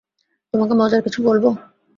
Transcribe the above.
তোমাকে মজার কিছু বলবো?